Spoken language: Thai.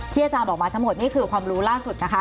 อาจารย์บอกมาทั้งหมดนี่คือความรู้ล่าสุดนะคะ